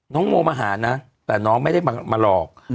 โมมาหานะแต่น้องไม่ได้มาหลอก